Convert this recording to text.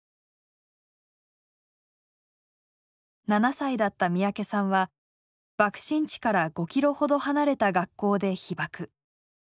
７歳だった三宅さんは爆心地から５キロほど離れた学校で被爆。